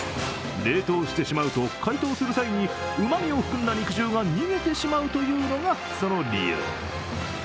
冷凍してしまうと、解凍する際に、うまみを含んだ肉汁が逃げてしまうというのがその理由。